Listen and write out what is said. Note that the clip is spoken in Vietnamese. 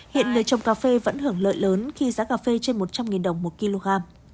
hiện người trồng cà phê vẫn hưởng lợi lớn khi giá cà phê trên một trăm linh đồng một kg